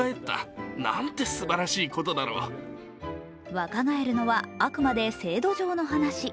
若返るのはあくまで制度上の話。